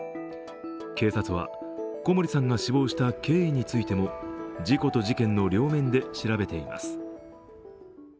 警察は、小森さんが死亡した経緯についても事故と事件の両面で調べています。